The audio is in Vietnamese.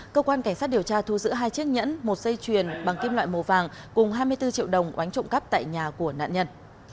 cơ quan cảnh sát điều tra thu giữ hai chiếc nhẫn một dây chuyền bằng kim loại màu vàng cùng hai mươi bốn triệu đồng oánh trộm cắp tại nhà của nạn nhân